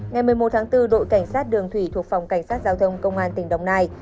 ngày một mươi một tháng bốn đội cảnh sát đường thủy thuộc phòng cảnh sát giao thông công an tỉnh đồng nai